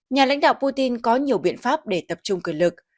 nhà lãnh đạo putin có nhiều biện pháp để tập trung quyền lực